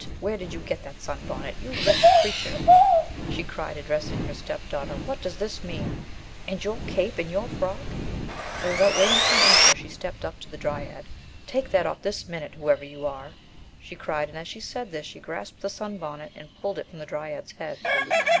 Where did you get that sun bonnet? You wretched creature !" she cried, addressing her step daughter, "what does this mean? And your cape and your frock ?" And without waiting for an answer she stepped up to the dryad. "Take that off this minute, whoever you are!" she cried, and as she said this she grasped the sun bonnet and pulled it from the dryad's head.